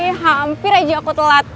ini hampir aja aku telat